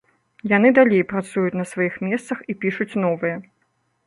Яны далей працуюць на сваіх месцах і пішуць новыя.